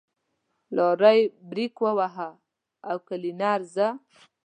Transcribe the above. لارۍ برېک وواهه او کلينر زه.